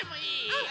うん。